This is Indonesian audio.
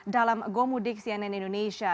dalam gomudik cnn indonesia